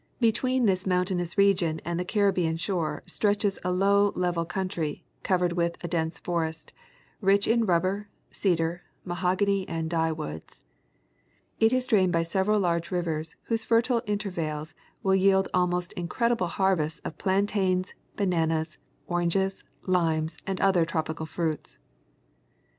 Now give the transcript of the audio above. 31 Y Between this mountainous region and the Caribbean shore stretches a low level country, covered with a dense forest, rich in rubber, cedar, mahogany and dye woods. It is drained by sev eral large rivers whose fertile intervales will yield almost incred ible harvests of plantains, bananas, oranges, limes, and other tropical fruits.